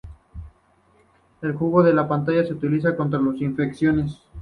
El jugo de la planta se utiliza contra las infecciones.